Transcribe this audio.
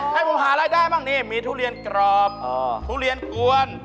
ให้ผมหารายได้บ้างนี่มีทุเรียนกรอบทุเรียนกวน